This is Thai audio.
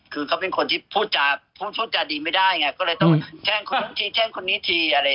คือเขาเป็นคนที่พูดจาพูดจาดีไม่ได้ไงก็เลยต้องแจ้งคนนั้นทีแจ้งคนนี้ทีอะไร